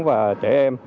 và trẻ em